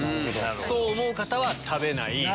そう思う方は食べない。